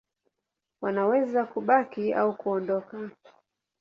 Wanaweza kubaki au kuondoka.